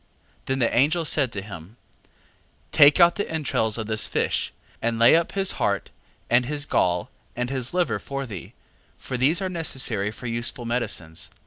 6:5. Then the angel said to him: Take out the entrails of this fish, and lay up his heart, and his gall, and his liver for thee: for these are necessary for useful medicines.